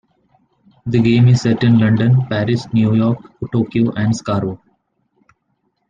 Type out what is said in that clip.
The game is set in London, Paris, New York, Tokyo and Skaro.